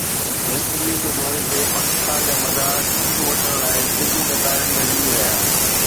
west Indies جي دوري تي پاڪستان جا مداح ٽڪيٽون وٺڻ لاءِ ڊگهين قطارن ۾ بيهي رهيا